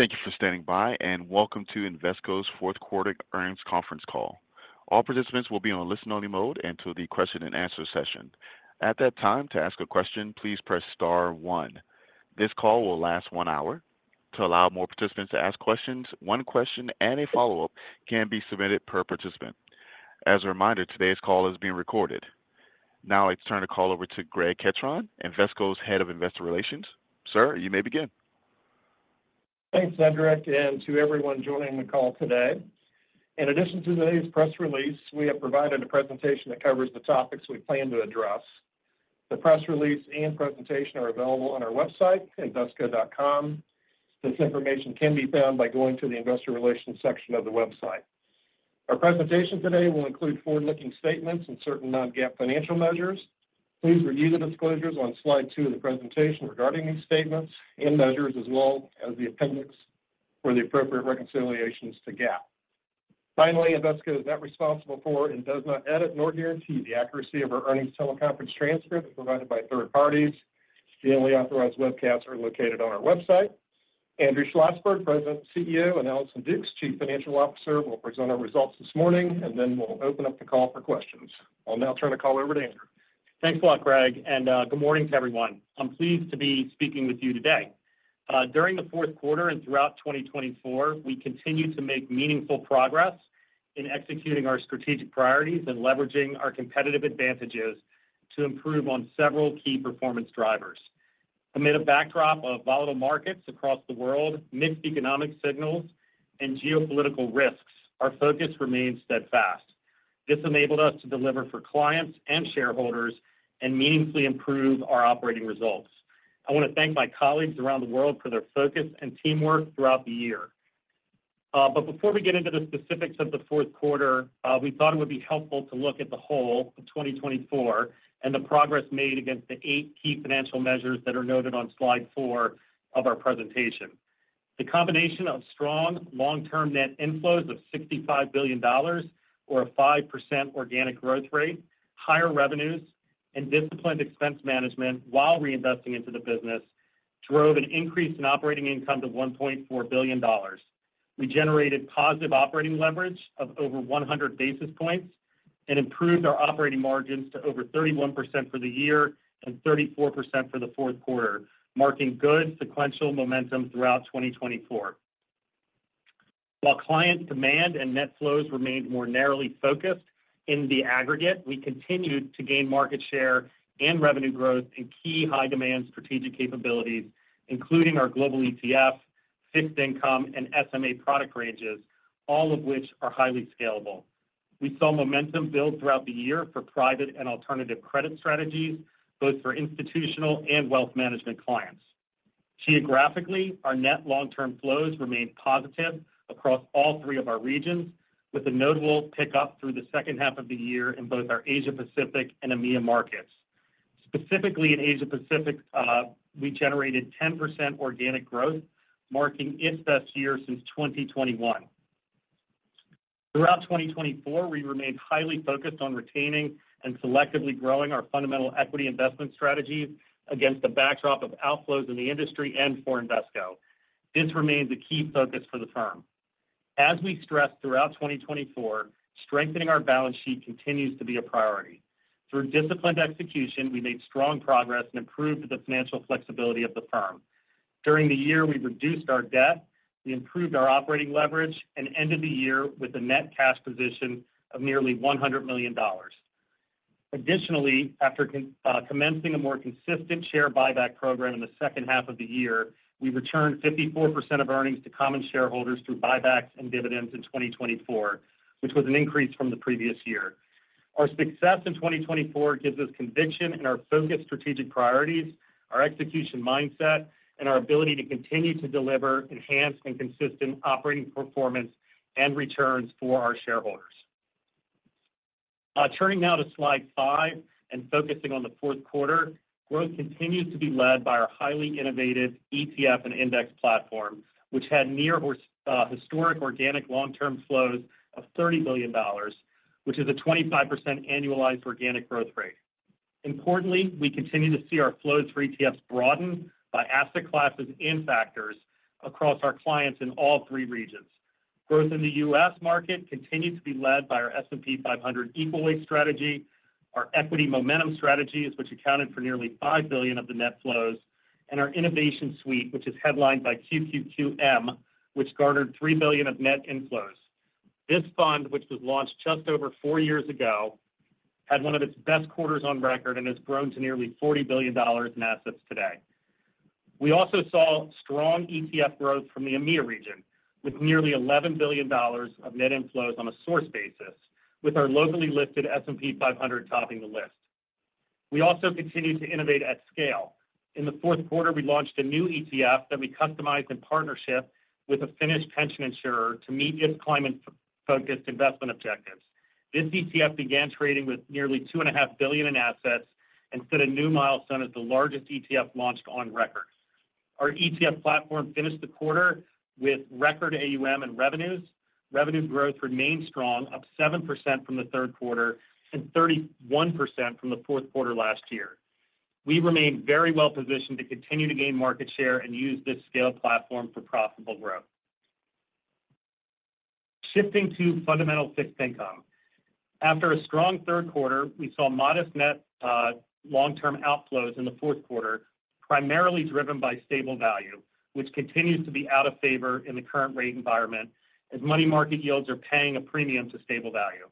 Thank you for standing by, and welcome to Invesco's fourth quarter earnings conference call. All participants will be on a listen-only mode until the question-and-answer session. At that time, to ask a question, please press star one. This call will last one hour. To allow more participants to ask questions, one question and a follow-up can be submitted per participant. As a reminder, today's call is being recorded. Now, I turn the call over to Greg Ketron, Invesco's head of investor relations. Sir, you may begin. Thanks, Cedric, and to everyone joining the call today. In addition to today's press release, we have provided a presentation that covers the topics we plan to address. The press release and presentation are available on our website, invesco.com. This information can be found by going to the investor relations section of the website. Our presentation today will include forward-looking statements and certain non-GAAP financial measures. Please review the disclosures on slide two of the presentation regarding these statements and measures, as well as the appendix for the appropriate reconciliations to GAAP. Finally, Invesco is not responsible for and does not edit nor guarantee the accuracy of our earnings teleconference transcripts provided by third parties. The only authorized webcasts are located on our website. Andrew Schlossberg, President and CEO, and Allison Dukes, Chief Financial Officer, will present our results this morning, and then we'll open up the call for questions. I'll now turn the call over to Andrew. Thanks a lot, Greg, and good morning to everyone. I'm pleased to be speaking with you today. During the fourth quarter and throughout 2024, we continue to make meaningful progress in executing our strategic priorities and leveraging our competitive advantages to improve on several key performance drivers. Amid a backdrop of volatile markets across the world, mixed economic signals, and geopolitical risks, our focus remains steadfast. This enabled us to deliver for clients and shareholders and meaningfully improve our operating results. I want to thank my colleagues around the world for their focus and teamwork throughout the year. But before we get into the specifics of the fourth quarter, we thought it would be helpful to look at the whole of 2024 and the progress made against the eight key financial measures that are noted on slide four of our presentation. The combination of strong long-term net inflows of $65 billion, or a 5% organic growth rate, higher revenues, and disciplined expense management while reinvesting into the business drove an increase in operating income to $1.4 billion. We generated positive operating leverage of over 100 basis points and improved our operating margins to over 31% for the year and 34% for the fourth quarter, marking good sequential momentum throughout 2024. While client demand and net flows remained more narrowly focused in the aggregate, we continued to gain market share and revenue growth in key high-demand strategic capabilities, including our global ETF, fixed income, and SMA product ranges, all of which are highly scalable. We saw momentum build throughout the year for private and alternative credit strategies, both for institutional and wealth management clients. Geographically, our net long-term flows remained positive across all three of our regions, with a notable pickup through the second half of the year in both our Asia-Pacific and EMEA markets. Specifically, in Asia-Pacific, we generated 10% organic growth, marking its best year since 2021. Throughout 2024, we remained highly focused on retaining and selectively growing our fundamental equity investment strategies against the backdrop of outflows in the industry and for Invesco. This remains a key focus for the firm. As we stressed throughout 2024, strengthening our balance sheet continues to be a priority. Through disciplined execution, we made strong progress and improved the financial flexibility of the firm. During the year, we reduced our debt, we improved our operating leverage, and ended the year with a net cash position of nearly $100 million. Additionally, after commencing a more consistent share buyback program in the second half of the year, we returned 54% of earnings to common shareholders through buybacks and dividends in 2024, which was an increase from the previous year. Our success in 2024 gives us conviction in our focused strategic priorities, our execution mindset, and our ability to continue to deliver enhanced and consistent operating performance and returns for our shareholders. Turning now to slide five and focusing on the fourth quarter, growth continues to be led by our highly innovative ETF and index platform, which had near-historic organic long-term flows of $30 billion, which is a 25% annualized organic growth rate. Importantly, we continue to see our flows for ETFs broaden by asset classes and factors across our clients in all three regions. Growth in the U.S. market continues to be led by our S&P 500 Equal Weight strategy, our equity momentum strategies, which accounted for nearly $5 billion of the net flows, and our innovation suite, which is headlined by QQQM, which garnered $3 billion of net inflows. This fund, which was launched just over four years ago, had one of its best quarters on record and has grown to nearly $40 billion in assets today. We also saw strong ETF growth from the EMEA region, with nearly $11 billion of net inflows on a source basis, with our locally listed S&P 500 topping the list. We also continue to innovate at scale. In the fourth quarter, we launched a new ETF that we customized in partnership with a Finnish pension insurer to meet its climate-focused investment objectives. This ETF began trading with nearly $2.5 billion in assets and set a new milestone as the largest ETF launched on record. Our ETF platform finished the quarter with record AUM and revenues. Revenue growth remained strong, up 7% from the third quarter and 31% from the fourth quarter last year. We remain very well positioned to continue to gain market share and use this scale platform for profitable growth. Shifting to fundamental fixed income. After a strong third quarter, we saw modest net long-term outflows in the fourth quarter, primarily driven by Stable Value, which continues to be out of favor in the current rate environment as money market yields are paying a premium to Stable Value.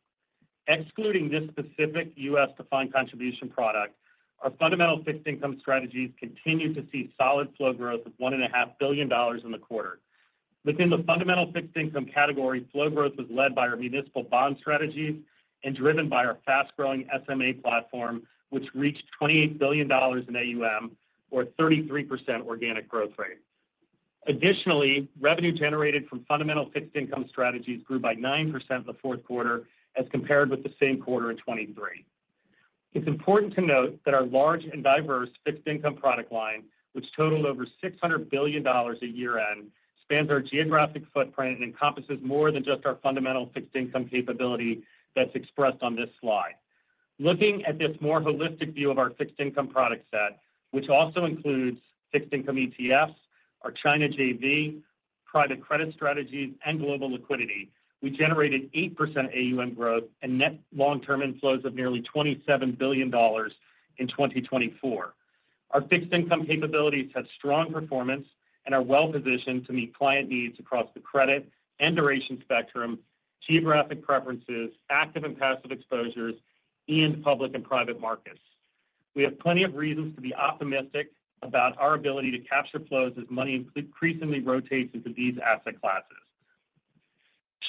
Excluding this specific U.S. defined contribution product, our fundamental fixed income strategies continue to see solid flow growth of $1.5 billion in the quarter. Within the fundamental fixed income category, flow growth was led by our municipal bond strategies and driven by our fast-growing SMA platform, which reached $28 billion in AUM, or a 33% organic growth rate. Additionally, revenue generated from fundamental fixed income strategies grew by 9% in the fourth quarter as compared with the same quarter in 2023. It's important to note that our large and diverse fixed income product line, which totaled over $600 billion at year-end, spans our geographic footprint and encompasses more than just our fundamental fixed income capability that's expressed on this slide. Looking at this more holistic view of our fixed income product set, which also includes fixed income ETFs, our China JV, private credit strategies, and global liquidity, we generated 8% AUM growth and net long-term inflows of nearly $27 billion in 2024. Our fixed income capabilities had strong performance and are well positioned to meet client needs across the credit and duration spectrum, geographic preferences, active and passive exposures, and public and private markets. We have plenty of reasons to be optimistic about our ability to capture flows as money increasingly rotates into these asset classes.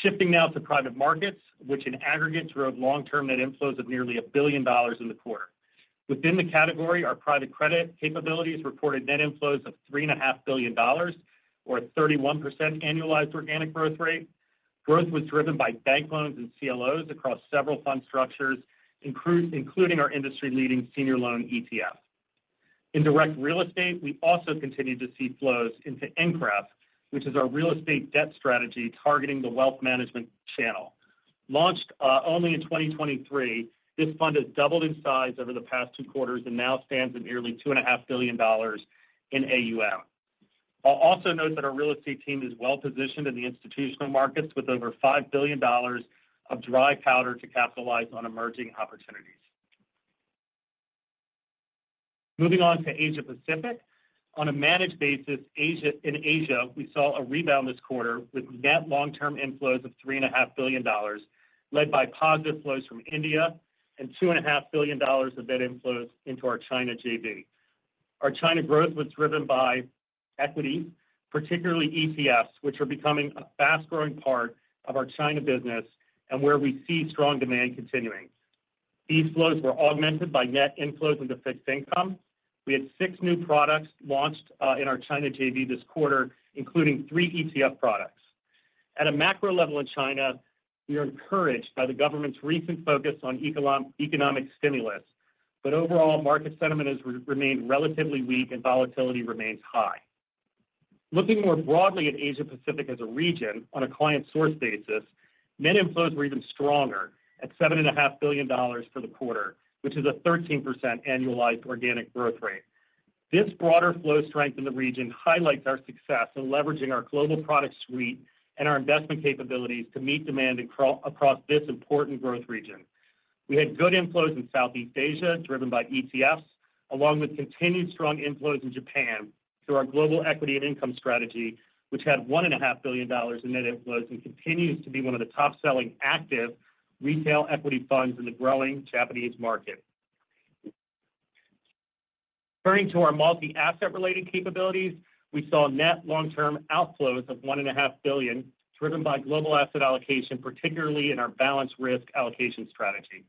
Shifting now to private markets, which in aggregate drove long-term net inflows of nearly $1 billion in the quarter. Within the category, our private credit capabilities reported net inflows of $3.5 billion, or a 31% annualized organic growth rate. Growth was driven by bank loans and CLOs across several fund structures, including our industry-leading senior loan ETF. In direct real estate, we also continue to see flows into INCREF, which is our real estate debt strategy targeting the wealth management channel. Launched only in 2023, this fund has doubled in size over the past two quarters and now stands at nearly $2.5 billion in AUM. I'll also note that our real estate team is well positioned in the institutional markets with over $5 billion of dry powder to capitalize on emerging opportunities. Moving on to Asia-Pacific. On a managed basis in Asia, we saw a rebound this quarter with net long-term inflows of $3.5 billion, led by positive flows from India and $2.5 billion of net inflows into our China JV. Our China growth was driven by equities, particularly ETFs, which are becoming a fast-growing part of our China business and where we see strong demand continuing. These flows were augmented by net inflows into fixed income. We had six new products launched in our China JV this quarter, including three ETF products. At a macro level in China, we are encouraged by the government's recent focus on economic stimulus, but overall, market sentiment has remained relatively weak and volatility remains high. Looking more broadly at Asia-Pacific as a region on a client source basis, net inflows were even stronger at $7.5 billion for the quarter, which is a 13% annualized organic growth rate. This broader flow strength in the region highlights our success in leveraging our global product suite and our investment capabilities to meet demand across this important growth region. We had good inflows in Southeast Asia driven by ETFs, along with continued strong inflows in Japan through our global equity and income strategy, which had $1.5 billion in net inflows and continues to be one of the top-selling active retail equity funds in the growing Japanese market. Turning to our multi-asset-related capabilities, we saw net long-term outflows of $1.5 billion driven by global asset allocation, particularly in our balanced risk allocation strategy.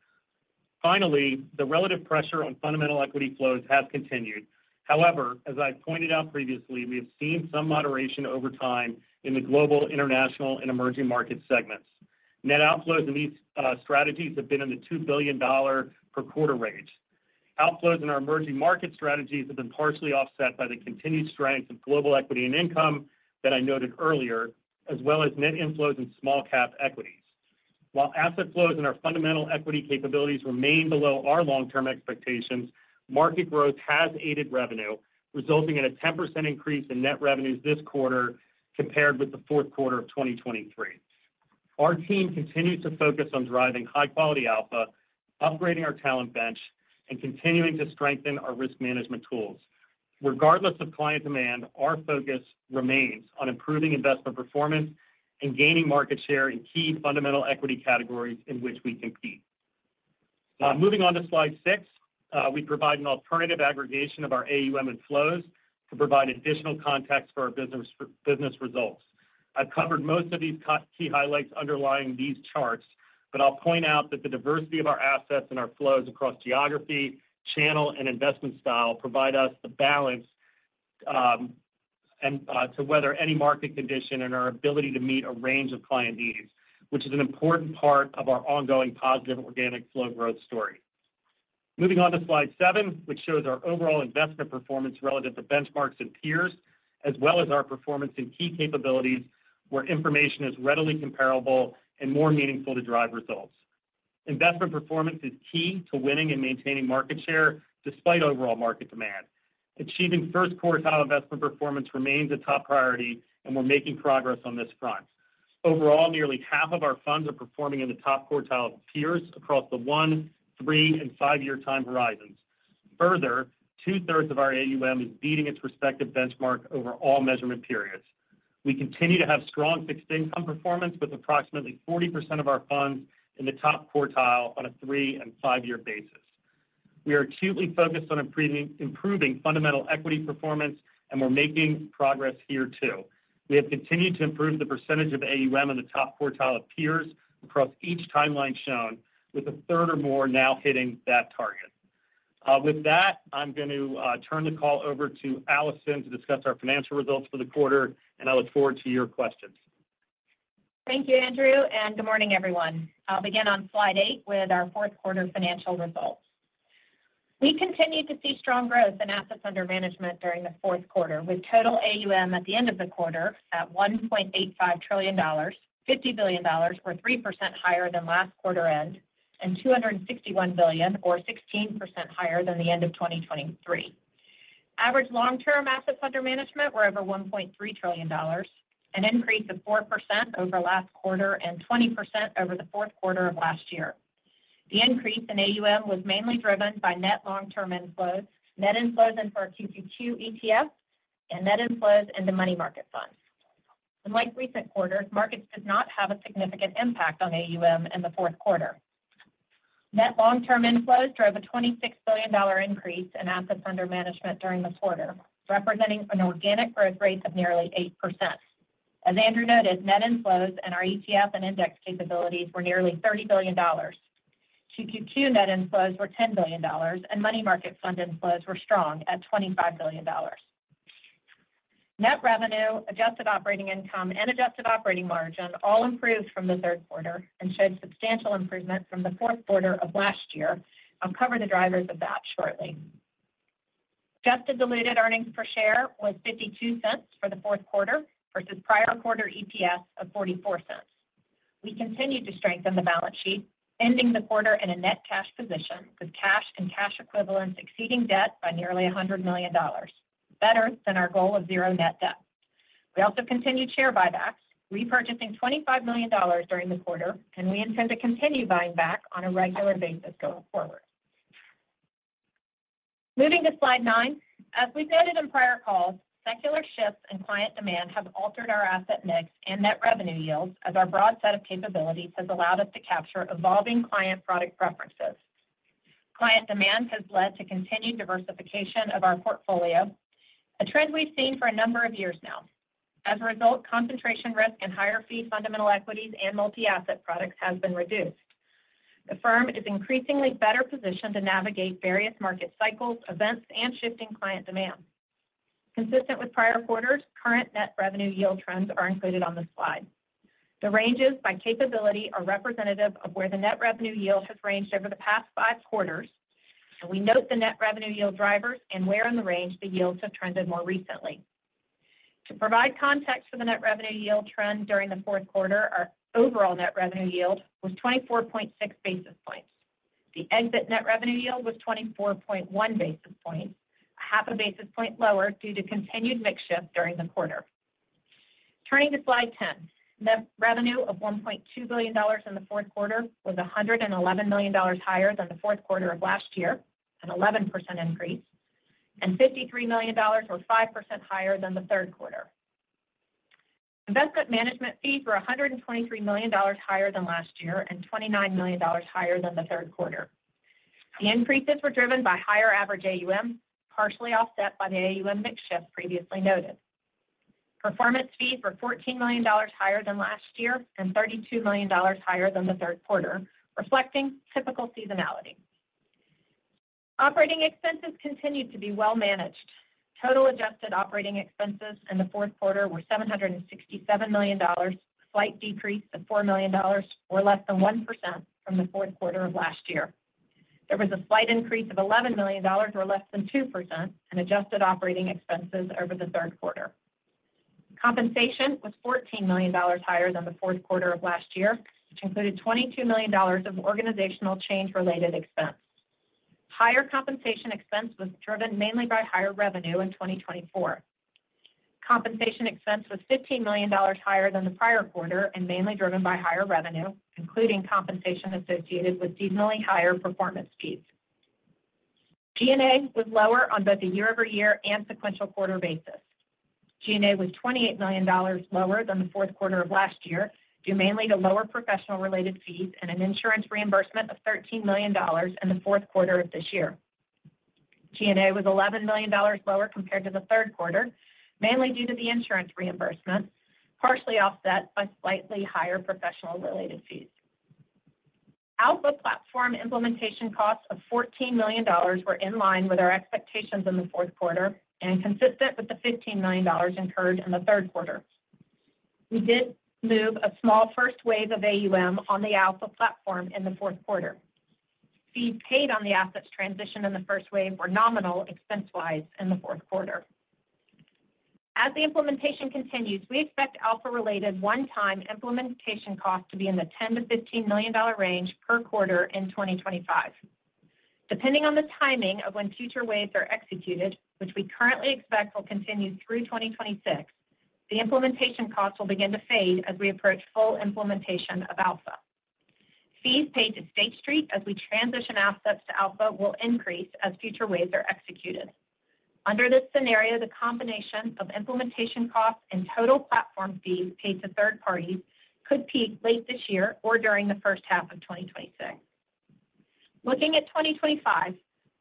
Finally, the relative pressure on fundamental equity flows has continued. However, as I pointed out previously, we have seen some moderation over time in the global, international, and emerging market segments. Net outflows in these strategies have been in the $2 billion per quarter range. Outflows in our emerging market strategies have been partially offset by the continued strength of global equity and income that I noted earlier, as well as net inflows in small-cap equities. While asset flows in our fundamental equity capabilities remain below our long-term expectations, market growth has aided revenue, resulting in a 10% increase in net revenues this quarter compared with the fourth quarter of 2023. Our team continues to focus on driving high-quality alpha, upgrading our talent bench, and continuing to strengthen our risk management tools. Regardless of client demand, our focus remains on improving investment performance and gaining market share in key fundamental equity categories in which we compete. Moving on to slide six, we provide an alternative aggregation of our AUM and flows to provide additional context for our business results. I've covered most of these key highlights underlying these charts, but I'll point out that the diversity of our assets and our flows across geography, channel, and investment style provide us the balance to weather any market condition and our ability to meet a range of client needs, which is an important part of our ongoing positive organic flow growth story. Moving on to slide seven, which shows our overall investment performance relative to benchmarks and peers, as well as our performance in key capabilities where information is readily comparable and more meaningful to drive results. Investment performance is key to winning and maintaining market share despite overall market demand. Achieving first quartile investment performance remains a top priority, and we're making progress on this front. Overall, nearly half of our funds are performing in the top quartile of peers across the one, three, and five-year time horizons. Further, two-thirds of our AUM is beating its respective benchmark over all measurement periods. We continue to have strong fixed income performance with approximately 40% of our funds in the top quartile on a three- and five-year basis. We are acutely focused on improving fundamental equity performance, and we're making progress here too. We have continued to improve the percentage of AUM in the top quartile of peers across each timeline shown, with a third or more now hitting that target. With that, I'm going to turn the call over to Allison to discuss our financial results for the quarter, and I look forward to your questions. Thank you, Andrew. And good morning, everyone. I'll begin on slide eight with our fourth quarter financial results. We continue to see strong growth in assets under management during the fourth quarter, with total AUM at the end of the quarter at $1.85 trillion, $50 billion, or 3% higher than last quarter end, and $261 billion, or 16% higher than the end of 2023. Average long-term assets under management were over $1.3 trillion, an increase of 4% over last quarter and 20% over the fourth quarter of last year. The increase in AUM was mainly driven by net long-term inflows, net inflows into our QQQ ETF, and net inflows into money market funds. Unlike recent quarters, markets did not have a significant impact on AUM in the fourth quarter. Net long-term inflows drove a $26 billion increase in assets under management during the quarter, representing an organic growth rate of nearly 8%. As Andrew noted, net inflows in our ETF and index capabilities were nearly $30 billion. QQQ net inflows were $10 billion, and money market fund inflows were strong at $25 billion. Net revenue, adjusted operating income, and adjusted operating margin all improved from the third quarter and showed substantial improvement from the fourth quarter of last year. I'll cover the drivers of that shortly. Adjusted diluted earnings per share was $0.52 for the fourth quarter versus prior quarter EPS of $0.44. We continued to strengthen the balance sheet, ending the quarter in a net cash position with cash and cash equivalents exceeding debt by nearly $100 million, better than our goal of zero net debt. We also continued share buybacks, repurchasing $25 million during the quarter, and we intend to continue buying back on a regular basis going forward. Moving to slide nine, as we've noted in prior calls, secular shifts in client demand have altered our asset mix and net revenue yields as our broad set of capabilities has allowed us to capture evolving client product preferences. Client demand has led to continued diversification of our portfolio, a trend we've seen for a number of years now. As a result, concentration risk in higher fee fundamental equities and multi-asset products has been reduced. The firm is increasingly better positioned to navigate various market cycles, events, and shifting client demand. Consistent with prior quarters, current net revenue yield trends are included on the slide. The ranges by capability are representative of where the net revenue yield has ranged over the past five quarters, and we note the net revenue yield drivers and where in the range the yields have trended more recently. To provide context for the net revenue yield trend during the fourth quarter, our overall net revenue yield was 24.6 basis points. The exit net revenue yield was 24.1 basis points, 0.5 basis points lower due to continued mix shift during the quarter. Turning to slide 10, net revenue of $1.2 billion in the fourth quarter was $111 million higher than the fourth quarter of last year, an 11% increase, and $53 million or 5% higher than the third quarter. Investment management fees were $123 million higher than last year and $29 million higher than the third quarter. The increases were driven by higher average AUM, partially offset by the AUM mix shift previously noted. Performance fees were $14 million higher than last year and $32 million higher than the third quarter, reflecting typical seasonality. Operating expenses continued to be well managed. Total adjusted operating expenses in the fourth quarter were $767 million, a slight decrease of $4 million, or less than 1% from the fourth quarter of last year. There was a slight increase of $11 million or less than 2% in adjusted operating expenses over the third quarter. Compensation was $14 million higher than the fourth quarter of last year, which included $22 million of organizational change-related expense. Higher compensation expense was driven mainly by higher revenue in 2024. Compensation expense was $15 million higher than the prior quarter and mainly driven by higher revenue, including compensation associated with seasonally higher performance fees. G&A was lower on both a year-over-year and sequential quarter basis. G&A was $28 million lower than the fourth quarter of last year due mainly to lower professional-related fees and an insurance reimbursement of $13 million in the fourth quarter of this year. G&A was $11 million lower compared to the third quarter, mainly due to the insurance reimbursement, partially offset by slightly higher professional-related fees. Alpha platform implementation costs of $14 million were in line with our expectations in the fourth quarter and consistent with the $15 million incurred in the third quarter. We did move a small first wave of AUM on the Alpha platform in the fourth quarter. Fees paid on the assets transitioned in the first wave were nominal expense-wise in the fourth quarter. As the implementation continues, we expect Alpha-related one-time implementation costs to be in the $10-$15 million range per quarter in 2025. Depending on the timing of when future waves are executed, which we currently expect will continue through 2026, the implementation costs will begin to fade as we approach full implementation of Alpha. Fees paid to State Street as we transition assets to Alpha will increase as future waves are executed. Under this scenario, the combination of implementation costs and total platform fees paid to third parties could peak late this year or during the first half of 2026. Looking at 2025,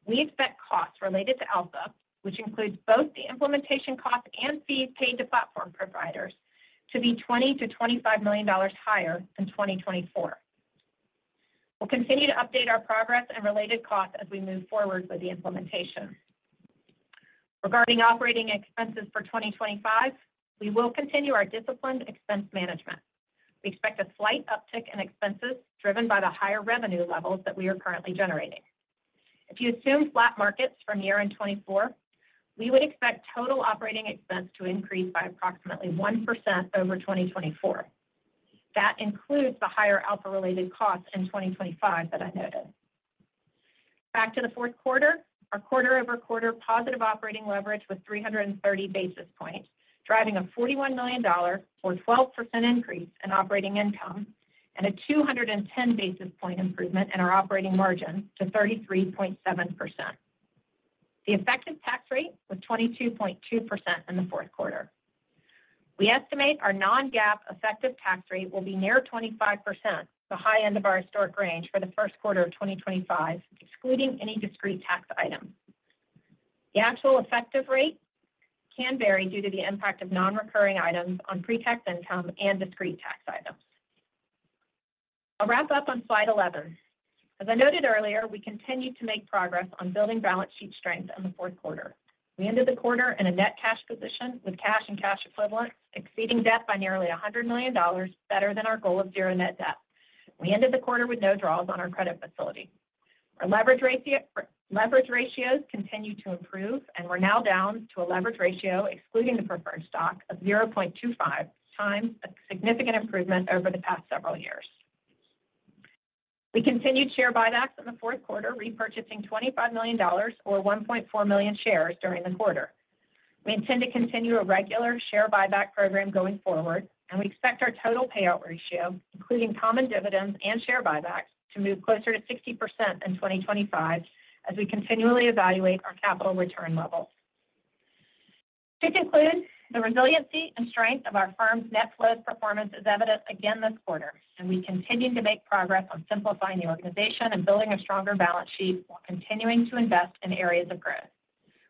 we expect costs related to Alpha, which includes both the implementation costs and fees paid to platform providers, to be $20-$25 million higher in 2024. We'll continue to update our progress and related costs as we move forward with the implementation. Regarding operating expenses for 2025, we will continue our disciplined expense management. We expect a slight uptick in expenses driven by the higher revenue levels that we are currently generating. If you assume flat markets from year-end in 2024, we would expect total operating expense to increase by approximately 1% over 2024. That includes the higher Alpha-related costs in 2025 that I noted. Back to the fourth quarter, our quarter-over-quarter positive operating leverage was 330 basis points, driving a $41 million, or 12% increase in operating income, and a 210 basis points improvement in our operating margin to 33.7%. The effective tax rate was 22.2% in the fourth quarter. We estimate our non-GAAP effective tax rate will be near 25%, the high end of our historic range for the first quarter of 2025, excluding any discrete tax items. The actual effective rate can vary due to the impact of non-recurring items on pretax income and discrete tax items. I'll wrap up on slide 11. As I noted earlier, we continued to make progress on building balance sheet strength in the fourth quarter. We ended the quarter in a net cash position with cash and cash equivalents exceeding debt by nearly $100 million, better than our goal of zero net debt. We ended the quarter with no draws on our credit facility. Our leverage ratios continue to improve, and we're now down to a leverage ratio, excluding the preferred stock, of 0.25, a significant improvement over the past several years. We continued share buybacks in the fourth quarter, repurchasing $25 million, or 1.4 million shares during the quarter. We intend to continue a regular share buyback program going forward, and we expect our total payout ratio, including common dividends and share buybacks, to move closer to 60% in 2025 as we continually evaluate our capital return levels. To conclude, the resiliency and strength of our firm's net flows performance is evident again this quarter, and we continue to make progress on simplifying the organization and building a stronger balance sheet while continuing to invest in areas of growth.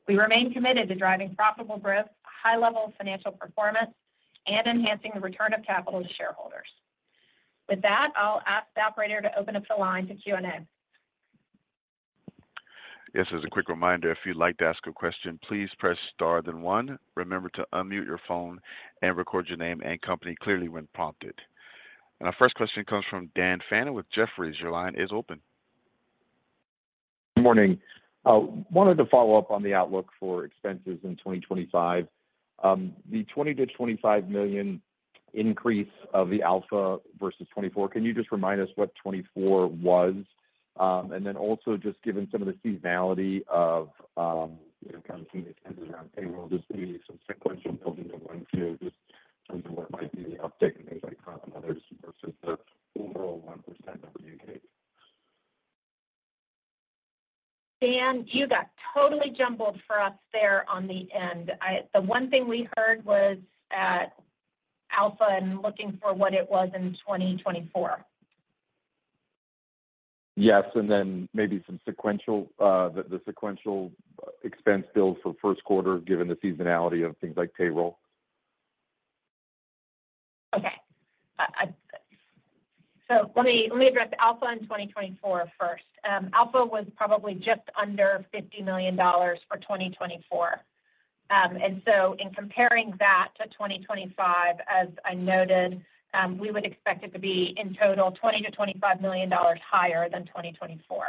We remain committed to driving profitable growth, a high level of financial performance, and enhancing the return of capital to shareholders. With that, I'll ask the operator to open up the line to Q&A. Yes, as a quick reminder, if you'd like to ask a question, please press star then one. Remember to unmute your phone and record your name and company clearly when prompted. And our first question comes from Dan Fannon with Jefferies. Your line is open. Good morning. I wanted to follow up on the outlook for expenses in 2025. The $20-$25 million increase of the Alpha versus '24, can you just remind us what '24 was? And then also just given some of the seasonality of kind of some of the things around payroll, just maybe some sequential building of one to just in terms of what might be the uptick and things like that versus the overall 1% that we're looking at. Dan, you got totally jumbled for us there on the end. The one thing we heard was at Alpha and looking for what it was in 2024. Yes, and then maybe some sequential, the sequential expense build for first quarter given the seasonality of things like payroll. Okay. So let me address Alpha in 2024 first. Alpha was probably just under $50 million for 2024. And so in comparing that to 2025, as I noted, we would expect it to be in total $20-$25 million higher than 2024.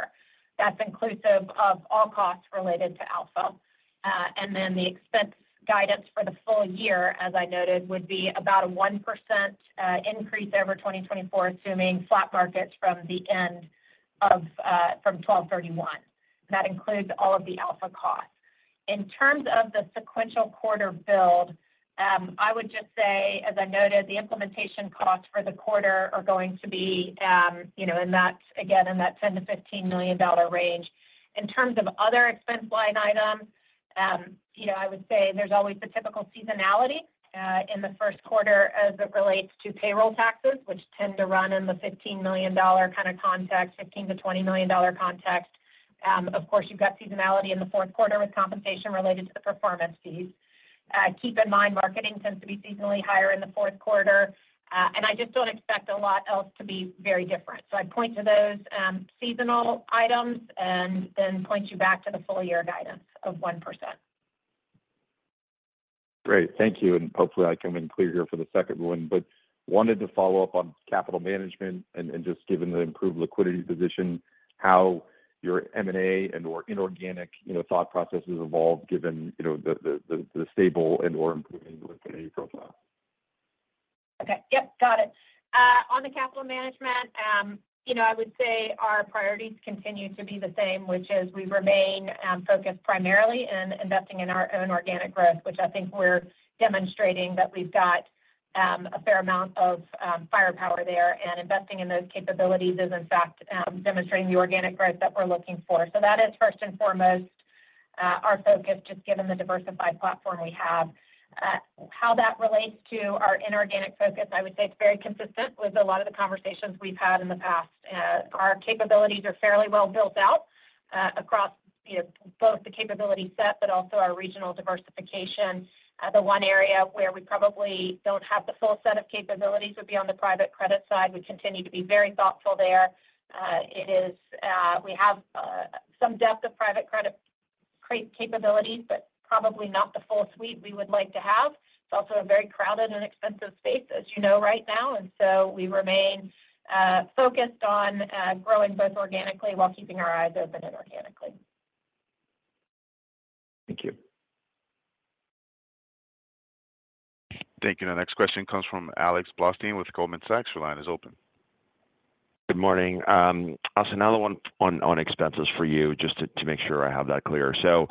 That's inclusive of all costs related to Alpha. And then the expense guidance for the full year, as I noted, would be about a 1% increase over 2024, assuming flat markets from the end of 12/31. That includes all of the Alpha costs. In terms of the sequential quarter build, I would just say, as I noted, the implementation costs for the quarter are going to be in that, again, in that $10-$15 million range. In terms of other expense line items, I would say there's always the typical seasonality in the first quarter as it relates to payroll taxes, which tend to run in the $15 million kind of context, $15-$20 million context. Of course, you've got seasonality in the fourth quarter with compensation related to the performance fees. Keep in mind, marketing tends to be seasonally higher in the fourth quarter, and I just don't expect a lot else to be very different. So I'd point to those seasonal items and then point you back to the full year guidance of 1%. Great. Thank you, and hopefully, I can be clear here for the second one, but wanted to follow up on capital management and just given the improved liquidity position, how your M&A and/or inorganic thought processes evolve given the stable and/or improving liquidity profile. Okay. Yep. Got it. On the capital management, I would say our priorities continue to be the same, which is we remain focused primarily in investing in our own organic growth, which I think we're demonstrating that we've got a fair amount of firepower there, and investing in those capabilities is, in fact, demonstrating the organic growth that we're looking for, so that is, first and foremost, our focus, just given the diversified platform we have. How that relates to our inorganic focus, I would say it's very consistent with a lot of the conversations we've had in the past. Our capabilities are fairly well built out across both the capability set, but also our regional diversification. The one area where we probably don't have the full set of capabilities would be on the private credit side. We continue to be very thoughtful there. We have some depth of private credit capabilities, but probably not the full suite we would like to have. It's also a very crowded and expensive space, as you know, right now, and so we remain focused on growing both organically while keeping our eyes open inorganically. Thank you. Thank you. The next question comes from Alex Blostein with Goldman Sachs. Your line is open. Good morning. I'll send another one on expenses for you just to make sure I have that clear. So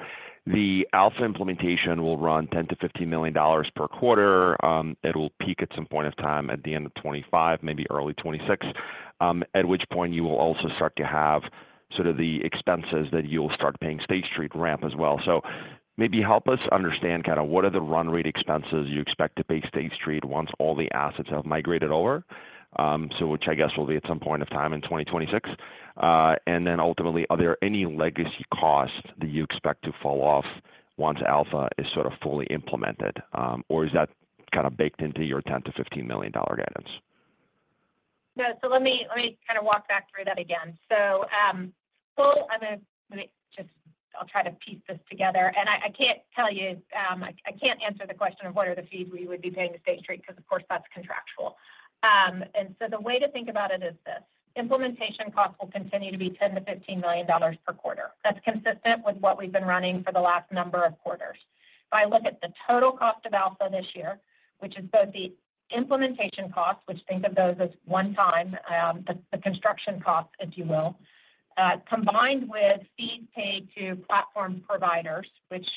the Alpha implementation will run $10-$15 million per quarter. It will peak at some point of time at the end of 2025, maybe early 2026, at which point you will also start to have sort of the expenses that you'll start paying State Street ramp as well. So maybe help us understand kind of what are the run rate expenses you expect to pay State Street once all the assets have migrated over, which I guess will be at some point of time in 2026. And then ultimately, are there any legacy costs that you expect to fall off once Alpha is sort of fully implemented, or is that kind of baked into your $10-$15 million guidance? No. So let me kind of walk back through that again. So I'm going to just, I'll try to piece this together. And I can't tell you, I can't answer the question of what are the fees we would be paying to State Street because, of course, that's contractual. And so the way to think about it is this: implementation costs will continue to be $10-$15 million per quarter. That's consistent with what we've been running for the last number of quarters. If I look at the total cost of Alpha this year, which is both the implementation costs, which think of those as one time, the construction costs, if you will, combined with fees paid to platform providers, which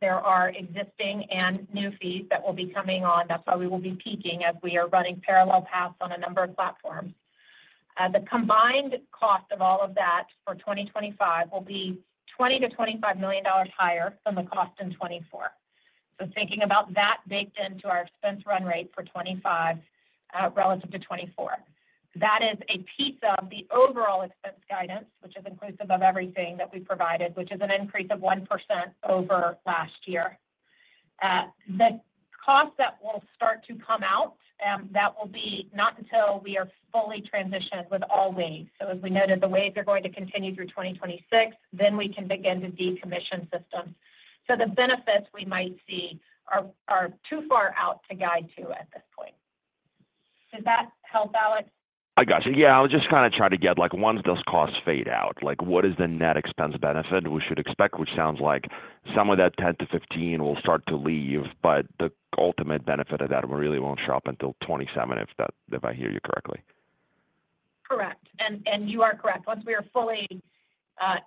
there are existing and new fees that will be coming on. That's why we will be peaking as we are running parallel paths on a number of platforms. The combined cost of all of that for 2025 will be $20-$25 million higher than the cost in 2024. So thinking about that baked into our expense run rate for 2025 relative to 2024, that is a piece of the overall expense guidance, which is inclusive of everything that we provided, which is an increase of 1% over last year. The costs that will start to come out, that will be not until we are fully transitioned with all waves. So as we noted, the waves are going to continue through 2026, then we can begin to decommission systems. So the benefits we might see are too far out to guide to at this point. Does that help, Alex? I gotcha. Yeah. I was just kind of trying to get once those costs fade out, what is the net expense benefit we should expect, which sounds like some of that 10-15 will start to leave, but the ultimate benefit of that, we really won't show up until 2027, if I hear you correctly. Correct. And you are correct. Once we are fully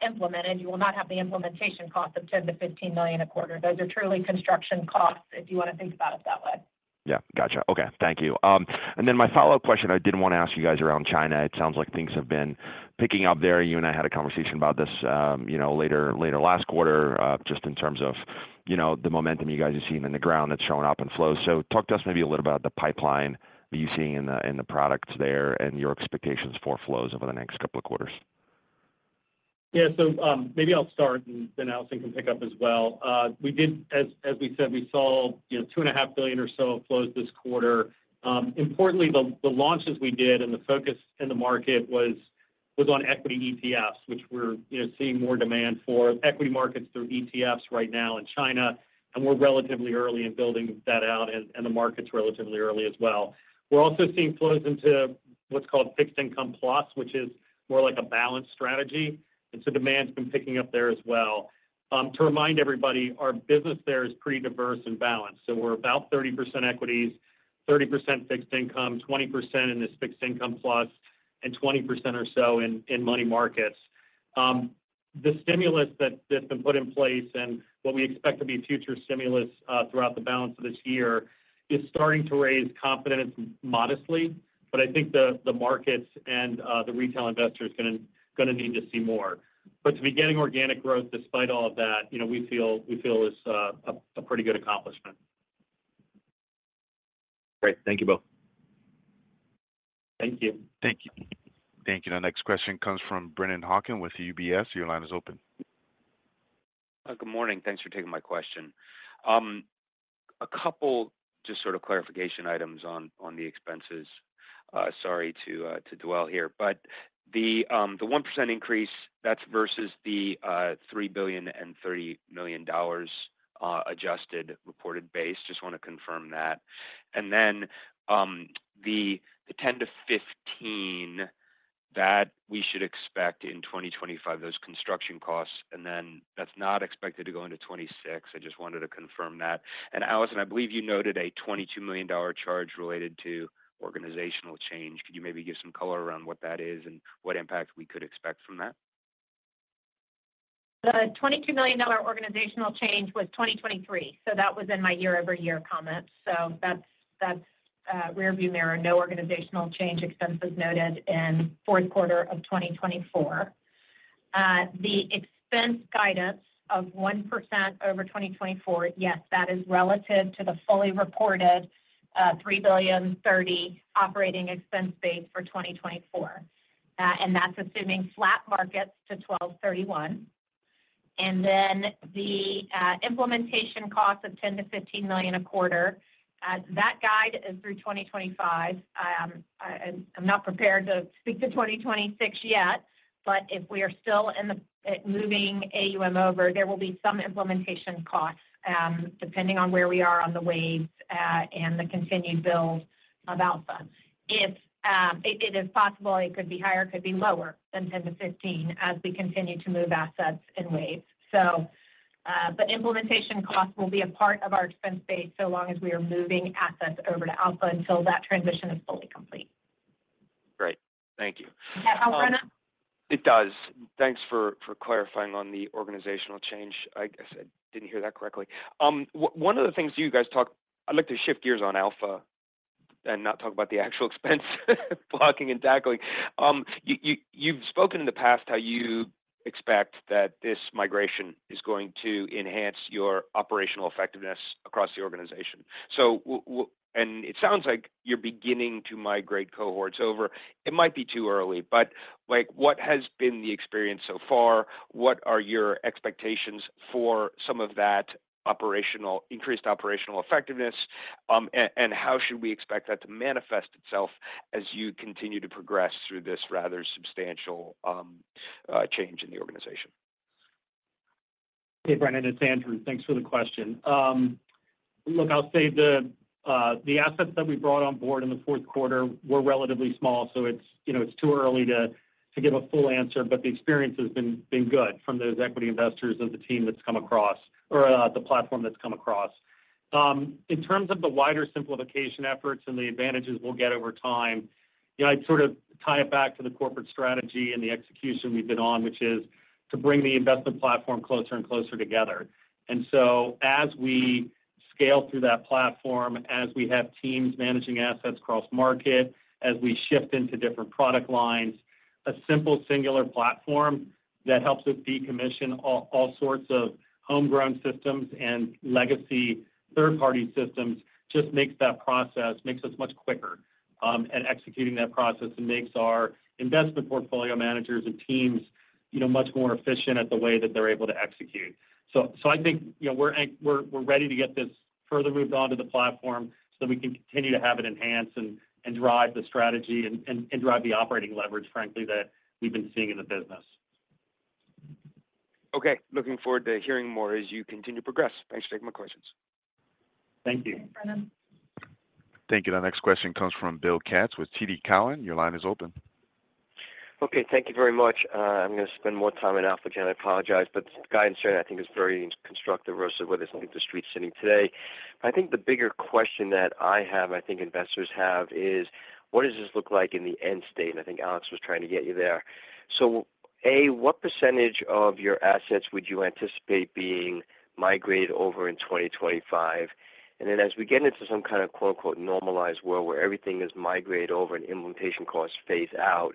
implemented, you will not have the implementation cost of $10-$15 million a quarter. Those are truly construction costs if you want to think about it that way. Yeah. Gotcha. Okay. Thank you. And then my follow-up question, I did want to ask you guys around China. It sounds like things have been picking up there. You and I had a conversation about this later last quarter, just in terms of the momentum you guys are seeing in the ground that's showing up in flows. So talk to us maybe a little bit about the pipeline that you're seeing in the products there and your expectations for flows over the next couple of quarters. Yeah. So maybe I'll start, and then Allison can pick up as well. As we said, we saw $2.5 billion or so flows this quarter. Importantly, the launches we did and the focus in the market was on equity ETFs, which we're seeing more demand for equity markets through ETFs right now in China, and we're relatively early in building that out, and the market's relatively early as well. We're also seeing flows into what's called Fixed Income Plus, which is more like a balanced strategy, and so demand's been picking up there as well. To remind everybody, our business there is pretty diverse and balanced, so we're about 30% equities, 30% fixed income, 20% in this Fixed Income Plus, and 20% or so in money markets. The stimulus that's been put in place and what we expect to be future stimulus throughout the balance of this year is starting to raise confidence modestly, but I think the markets and the retail investors are going to need to see more. But to be getting organic growth despite all of that, we feel is a pretty good accomplishment. Great. Thank you both. Thank you. Thank you. Thank you. The next question comes from Brennan Hawken with UBS. Your line is open. Good morning. Thanks for taking my question. A couple just sort of clarification items on the expenses. Sorry to dwell here. But the 1% increase, that's versus the $3 billion and $30 million adjusted reported base. Just want to confirm that. And then the 10 to 15 that we should expect in 2025, those construction costs, and then that's not expected to go into 2026. I just wanted to confirm that. And Allison, I believe you noted a $22 million charge related to organizational change. Could you maybe give some color around what that is and what impact we could expect from that? The $22 million organizational change was 2023. That was in my year-over-year comment. That's rearview mirror. No organizational change expenses noted in fourth quarter of 2024. The expense guidance of 1% over 2024, yes, that is relative to the fully reported $3.0 billion operating expense base for 2024. That's assuming flat markets to 12/31. The implementation cost of $10-$15 million a quarter, that guide is through 2025. I'm not prepared to speak to 2026 yet, but if we are still in the moving AUM over, there will be some implementation costs depending on where we are on the waves and the continued build of Alpha. If it is possible, it could be higher, could be lower than $10-$15 as we continue to move assets in waves. But implementation costs will be a part of our expense base so long as we are moving assets over to Alpha until that transition is fully complete. Great. Thank you. Does that help, Brandon? It does. Thanks for clarifying on the organizational change. I didn't hear that correctly. One of the things you guys talked - I'd like to shift gears on Alpha and not talk about the actual expense blocking and tackling. You've spoken in the past how you expect that this migration is going to enhance your operational effectiveness across the organization. And it sounds like you're beginning to migrate cohorts over. It might be too early, but what has been the experience so far? What are your expectations for some of that increased operational effectiveness, and how should we expect that to manifest itself as you continue to progress through this rather substantial change in the organization? Hey, Brandon. It's Andrew. Thanks for the question. Look, I'll say the assets that we brought on board in the fourth quarter were relatively small, so it's too early to give a full answer, but the experience has been good from those equity investors of the team that's come across or the platform that's come across. In terms of the wider simplification efforts and the advantages we'll get over time, I'd sort of tie it back to the corporate strategy and the execution we've been on, which is to bring the investment platform closer and closer together. And so as we scale through that platform, as we have teams managing assets cross-market, as we shift into different product lines, a simple singular platform that helps us decommission all sorts of homegrown systems and legacy third-party systems just makes that process, makes us much quicker at executing that process and makes our investment portfolio managers and teams much more efficient at the way that they're able to execute. So I think we're ready to get this further moved on to the platform so that we can continue to have it enhance and drive the strategy and drive the operating leverage, frankly, that we've been seeing in the bus iness. Okay. Looking forward to hearing more as you continue to progress. Thanks for taking my questions. Thank you. Thank you. The next question comes from Bill Katz with TD Cowen. Your line is open. Okay. Thank you very much. I'm going to spend more time in Alpha. I apologize, but the guidance there, I think, is very constructive versus what is disclosed as of today. I think the bigger question that I have, I think investors have, is what does this look like in the end state? And I think Alex was trying to get you there. So A, what percentage of your assets would you anticipate being migrated over in 2025? And then as we get into some kind of "normalized world" where everything is migrated over and implementation costs phase out,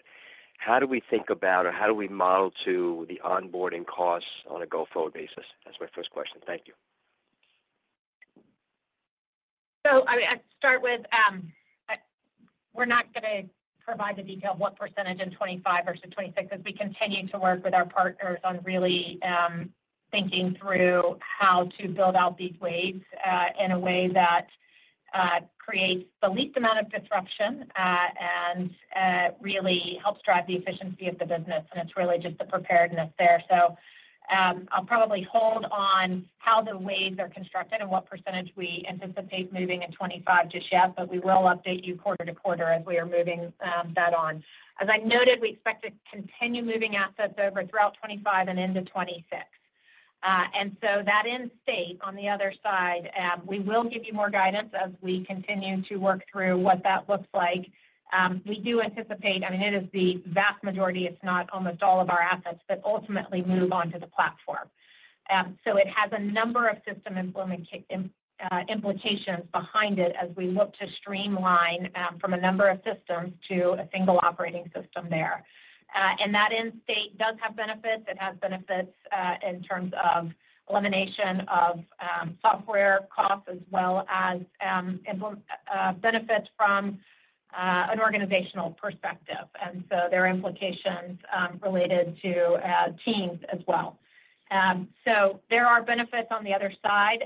how do we think about or how do we model to the onboarding costs on a go-forward basis? That's my first question. Thank you. So I mean, I'd start with we're not going to provide the detail of what percentage in 2025 versus 2026 as we continue to work with our partners on really thinking through how to build out these waves in a way that creates the least amount of disruption and really helps drive the efficiency of the business. And it's really just the preparedness there. So I'll probably hold on how the waves are constructed and what percentage we anticipate moving in 2025 just yet, but we will update you quarter to quarter as we are moving that on. As I noted, we expect to continue moving assets over throughout 2025 and into 2026. And so that end state, on the other side, we will give you more guidance as we continue to work through what that looks like. We do anticipate, I mean, it is the vast majority, if not almost all of our assets, that ultimately move on to the platform. So it has a number of system implications behind it as we look to streamline from a number of systems to a single operating system there. And that end state does have benefits. It has benefits in terms of elimination of software costs as well as benefits from an organizational perspective. And so there are implications related to teams as well. So there are benefits on the other side.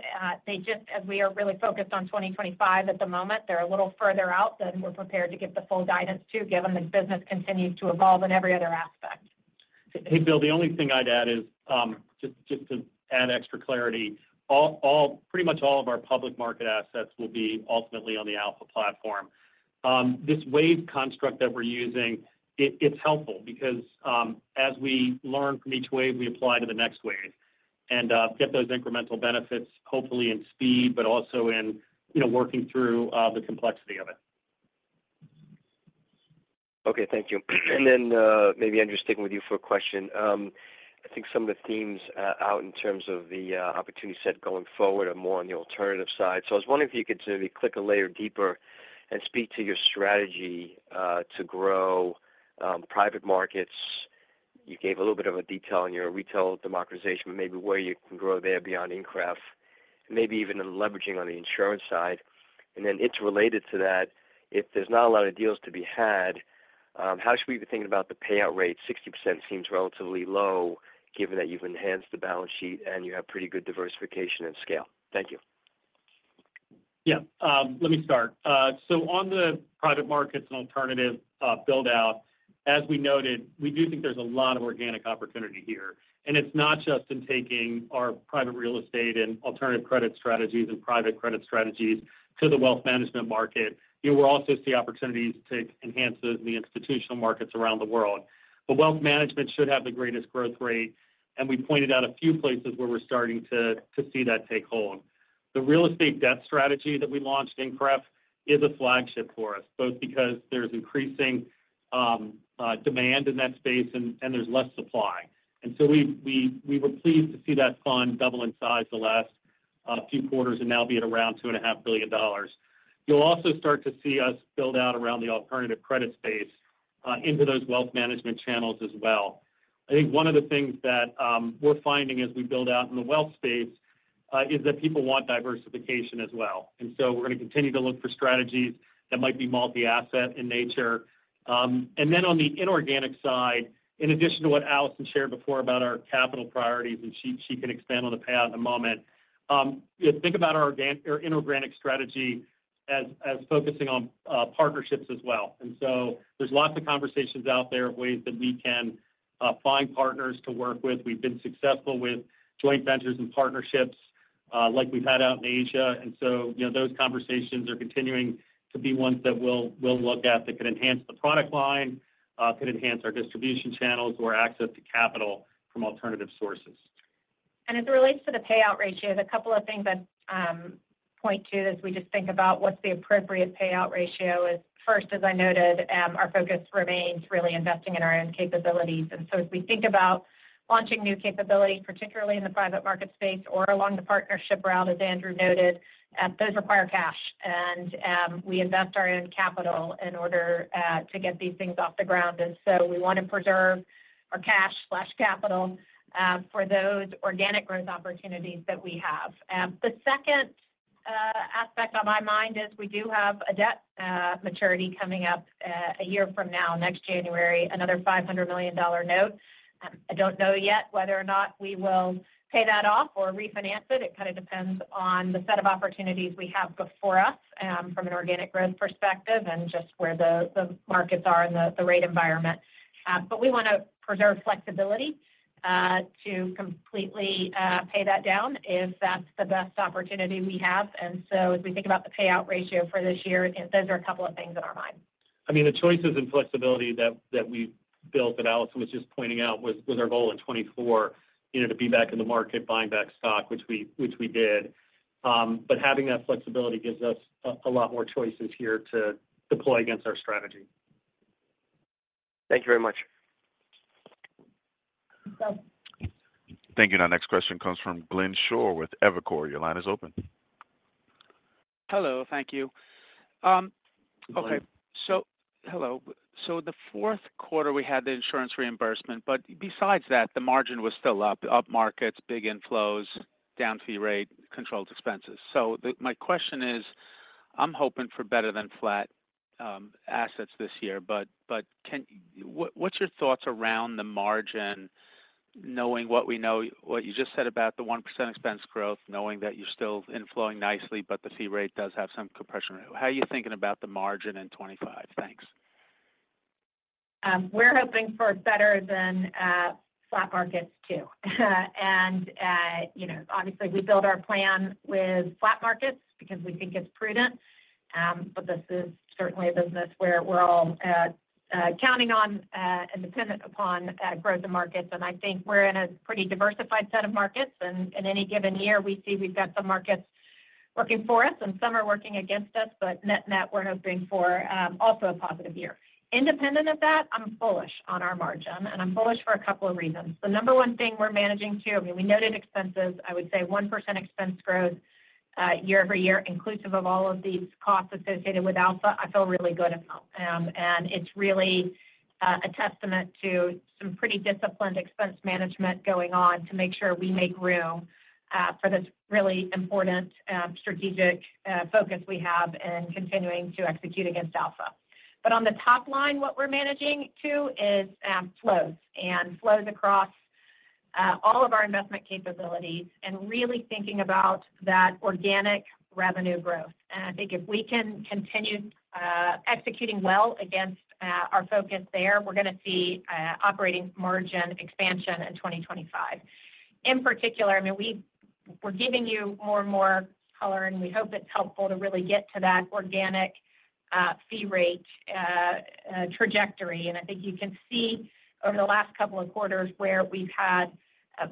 They just, as we are really focused on 2025 at the moment, they're a little further out than we're prepared to give the full guidance to, given the business continues to evolve in every other aspect. Hey, Bill, the only thing I'd add is just to add extra clarity. Pretty much all of our public market assets will be ultimately on the Alpha platform. This wave construct that we're using, it's helpful because as we learn from each wave, we apply to the next wave and get those incremental benefits, hopefully in speed, but also in working through the complexity of it. Okay. Thank you. And then maybe I'm just sticking with you for a question. I think some of the themes out in terms of the opportunity set going forward are more on the alternative side. So I was wondering if you could maybe click a layer deeper and speak to your strategy to grow private markets. You gave a little bit of a detail on your retail democratization, but maybe where you can grow there beyond INCREF, maybe even leveraging on the insurance side. And then it's related to that. If there's not a lot of deals to be had, how should we be thinking about the payout rate? 60% seems relatively low given that you've enhanced the balance sheet and you have pretty good diversification and scale. Thank you. Yeah. Let me start. So on the private markets and alternative build-out, as we noted, we do think there's a lot of organic opportunity here. And it's not just in taking our private real estate and alternative credit strategies and private credit strategies to the wealth management market. We'll also see opportunities to enhance those in the institutional markets around the world. But wealth management should have the greatest growth rate, and we pointed out a few places where we're starting to see that take hold. The real estate debt strategy that we launched in INCREF is a flagship for us, both because there's increasing demand in that space and there's less supply, and so we were pleased to see that fund double in size the last few quarters and now be at around $2.5 billion. You'll also start to see us build out around the alternative credit space into those wealth management channels as well. I think one of the things that we're finding as we build out in the wealth space is that people want diversification as well, and so we're going to continue to look for strategies that might be multi-asset in nature, and then on the inorganic side, in addition to what Allison shared before about our capital priorities, and she can expand on the payout in a moment, think about our inorganic strategy as focusing on partnerships as well. And so there's lots of conversations out there of ways that we can find partners to work with. We've been successful with joint ventures and partnerships like we've had out in Asia. And so those conversations are continuing to be ones that we'll look at that can enhance the product line, could enhance our distribution channels, or access to capital from alternative sources. And as it relates to the payout ratio, the couple of things I'd point to as we just think about what's the appropriate payout ratio is, first, as I noted, our focus remains really investing in our own capabilities. And so as we think about launching new capabilities, particularly in the private market space or along the partnership route, as Andrew noted, those require cash. And we invest our own capital in order to get these things off the ground. And so we want to preserve our cash and capital for those organic growth opportunities that we have. The second aspect on my mind is we do have a debt maturity coming up a year from now, next January, another $500 million note. I don't know yet whether or not we will pay that off or refinance it. It kind of depends on the set of opportunities we have before us from an organic growth perspective and just where the markets are in the rate environment. But we want to preserve flexibility to completely pay that down if that's the best opportunity we have. And so as we think about the payout ratio for this year, those are a couple of things in our mind. I mean, the choices and flexibility that we've built, and Allison was just pointing out, was our goal in 2024 to be back in the market, buying back stock, which we did. But having that flexibility gives us a lot more choices here to deploy against our strategy. Thank you very much. Thank you. Now, next question comes from Glenn Schorr with Evercore. Your line is open. Hello. Thank you. Okay. So hello. So the fourth quarter, we had the insurance reimbursement, but besides that, the margin was still up, up markets, big inflows, down fee rate, controlled expenses. So my question is, I'm hoping for better than flat assets this year, but what's your thoughts around the margin, knowing what you just said about the 1% expense growth, knowing that you're still inflowing nicely, but the fee rate does have some compression? How are you thinking about the margin in 2025? Thanks. We're hoping for better than flat markets too. And obviously, we build our plan with flat markets because we think it's prudent, but this is certainly a business where we're all counting on and dependent upon growth in markets. And I think we're in a pretty diversified set of markets. And in any given year, we see we've got some markets working for us and some are working against us, but net net, we're hoping for also a positive year. Independent of that, I'm bullish on our margin, and I'm bullish for a couple of reasons. The number one thing we're managing too, I mean, we noted expenses, I would say 1% expense growth year-over-year, inclusive of all of these costs associated with Alpha. I feel really good about. It's really a testament to some pretty disciplined expense management going on to make sure we make room for this really important strategic focus we have in continuing to execute against Alpha. On the top line, what we're managing too is flows and flows across all of our investment capabilities and really thinking about that organic revenue growth. I think if we can continue executing well against our focus there, we're going to see operating margin expansion in 2025. In particular, I mean, we're giving you more and more color, and we hope it's helpful to really get to that organic fee rate trajectory. I think you can see over the last couple of quarters where we've had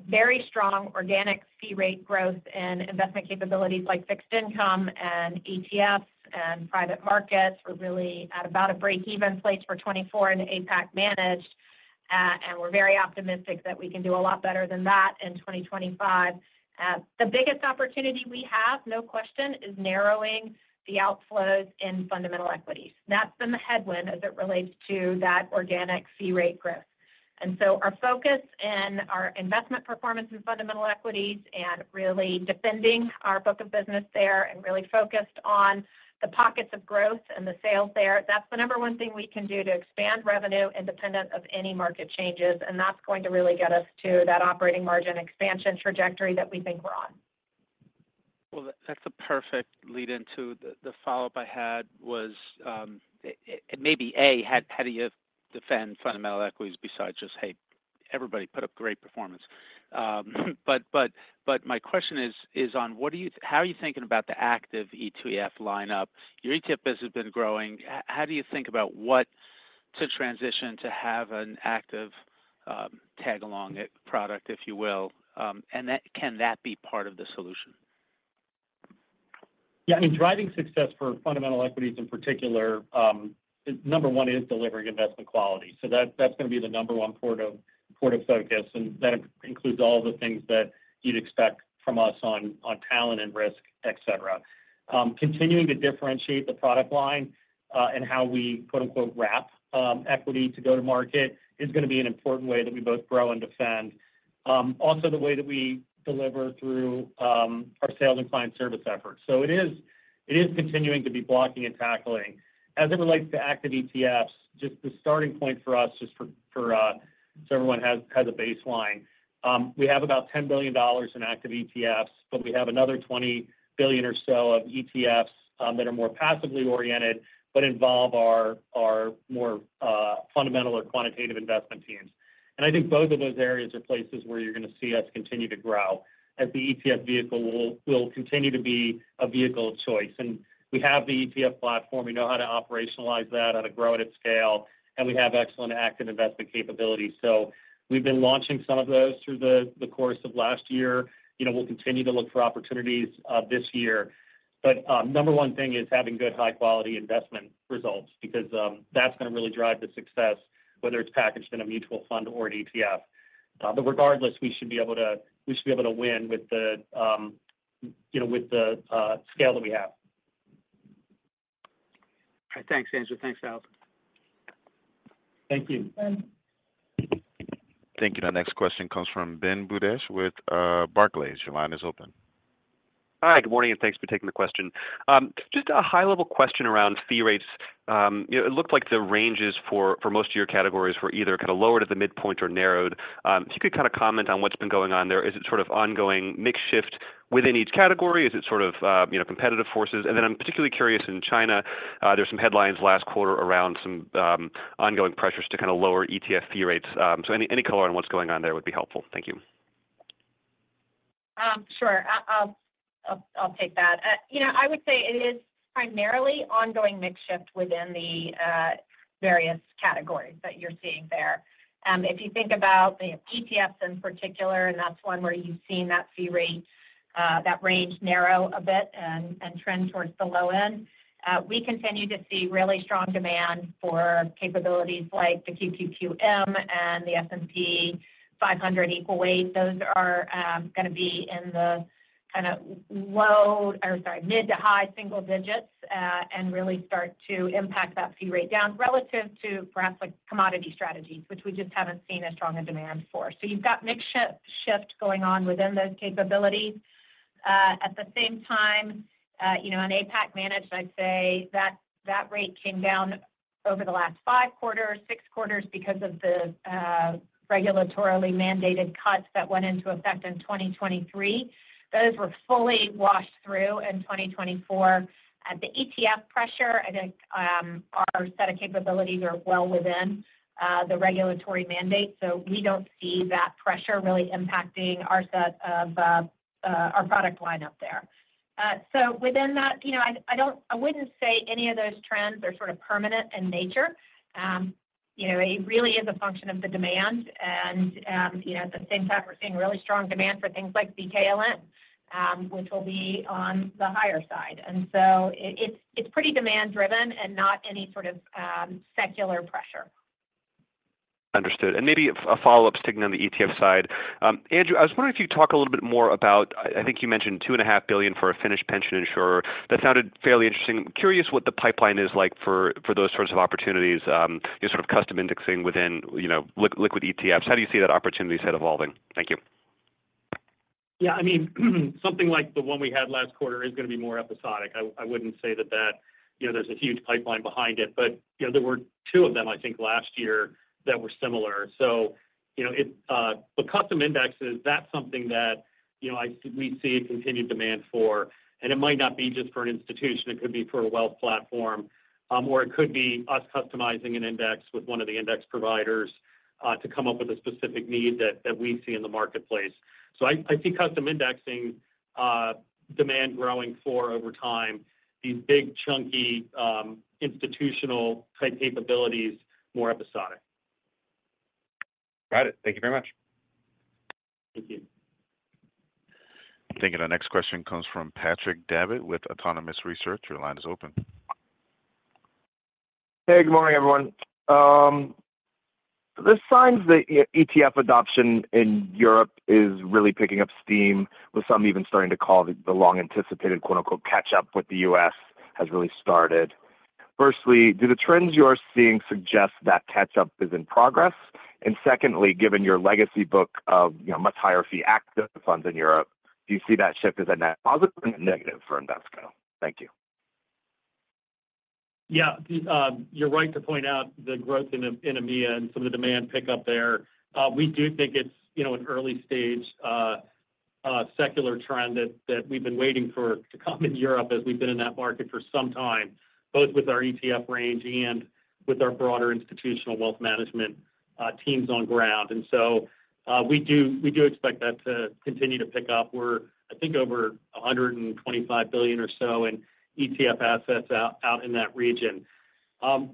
very strong organic fee rate growth in investment capabilities like fixed income and ETFs and private markets. We're really at about a break-even place for 2024 in APAC Managed, and we're very optimistic that we can do a lot better than that in 2025. The biggest opportunity we have, no question, is narrowing the outflows in fundamental equities. That's been the headwind as it relates to that organic fee rate growth. And so our focus and our investment performance in fundamental equities and really defending our book of business there and really focused on the pockets of growth and the sales there, that's the number one thing we can do to expand revenue independent of any market changes. And that's going to really get us to that operating margin expansion trajectory that we think we're on. Well, that's a perfect lead into the follow-up I had was it maybe A, how do you defend fundamental equities besides just, "Hey, everybody put up great performance"? But my question is on how are you thinking about the active ETF lineup? Your ETF business has been growing. How do you think about what to transition to have an active tag-along product, if you will? And can that be part of the solution? Yeah. I mean, driving success for fundamental equities in particular, number one is delivering investment quality. So that's going to be the number one point of focus. And that includes all the things that you'd expect from us on talent and risk, etc. Continuing to differentiate the product line and how we "wrap" equity to go to market is going to be an important way that we both grow and defend. Also, the way that we deliver through our sales and client service efforts. So it is continuing to be blocking and tackling. As it relates to active ETFs, just the starting point for us, just so everyone has a baseline, we have about $10 billion in active ETFs, but we have another $20 billion or so of ETFs that are more passively oriented but involve our more fundamental or quantitative investment teams. And I think both of those areas are places where you're going to see us continue to grow as the ETF vehicle will continue to be a vehicle of choice. And we have the ETF platform. We know how to operationalize that, how to grow it at scale, and we have excellent active investment capabilities. So we've been launching some of those through the course of last year. We'll continue to look for opportunities this year. But number one thing is having good high-quality investment results because that's going to really drive the success, whether it's packaged in a mutual fund or an ETF. But regardless, we should be able to win with the scale that we have. All right. Thanks, Andrew. Thanks, Allison. Thank you. Thank you. Now, next question comes from Ben Budish with Barclays. Your line is open. Hi. Good morning. And thanks for taking the question. Just a high-level question around fee rates. It looked like the ranges for most of your categories were either kind of lower to the midpoint or narrowed. If you could kind of comment on what's been going on there, is it sort of ongoing mix shift within each category? Is it sort of competitive forces? And then I'm particularly curious in China. There were some headlines last quarter around some ongoing pressures to kind of lower ETF fee rates. So any color on what's going on there would be helpful. Thank you. Sure. I'll take that. I would say it is primarily ongoing mix shift within the various categories that you're seeing there. If you think about ETFs in particular, and that's one where you've seen that fee rate, that range narrow a bit and trend towards the low end, we continue to see really strong demand for capabilities like the QQQM and the S&P 500 Equal Weight. Those are going to be in the kind of low or sorry, mid to high single digits and really start to impact that fee rate down relative to perhaps commodity strategies, which we just haven't seen as strong a demand for. So you've got mix shift going on within those capabilities. At the same time, on APAC Managed, I'd say that rate came down over the last five quarters, six quarters because of the regulatorily mandated cuts that went into effect in 2023. Those were fully washed through in 2024. At the ETF pressure, I think our set of capabilities are well within the regulatory mandate. So we don't see that pressure really impacting our set of our product lineup there. So within that, I wouldn't say any of those trends are sort of permanent in nature. It really is a function of the demand. And at the same time, we're seeing really strong demand for things like BKLN, which will be on the higher side. And so it's pretty demand-driven and not any sort of secular pressure. Understood. And maybe a follow-up sticking on the ETF side. Andrew, I was wondering if you could talk a little bit more about, I think you mentioned $2.5 billion for a Finnish pension insurer. That sounded fairly interesting. Curious what the pipeline is like for those sorts of opportunities, sort of custom indexing within liquid ETFs. How do you see that opportunity set evolving? Thank you. Yeah. I mean, something like the one we had last quarter is going to be more episodic. I wouldn't say that there's a huge pipeline behind it, but there were two of them, I think, last year that were similar. So the custom indexes, that's something that we see continued demand for. And it might not be just for an institution. It could be for a wealth platform, or it could be us customizing an index with one of the index providers to come up with a specific need that we see in the marketplace. So I see custom indexing demand growing for over time, these big chunky institutional-type capabilities more episodic. Got it. Thank you very much. Thank you. Now, next question comes from Patrick Davitt with Autonomous Research. Your line is open. Hey, good morning, everyone. The signs that ETF adoption in Europe is really picking up steam, with some even starting to call the long-anticipated "catch-up" with the U.S. has really started. Firstly, do the trends you are seeing suggest that catch-up is in progress? And secondly, given your legacy book of much higher fee active funds in Europe, do you see that shift as a positive or a negative for Invesco? Thank you. Yeah. You're right to point out the growth in EMEA and some of the demand pickup there. We do think it's an early-stage secular trend that we've been waiting for to come in Europe as we've been in that market for some time, both with our ETF range and with our broader institutional wealth management teams on ground. And so we do expect that to continue to pick up. We're, I think, over $125 billion or so in ETF assets out in that region.